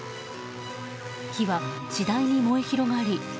火は次第に燃え広がり。